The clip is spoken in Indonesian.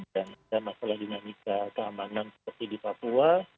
dan masalah dinamika keamanan seperti di papua